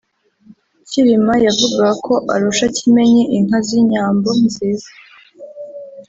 Cyilima yavugaga ko arusha Kimenyi inka z’inyambo nziza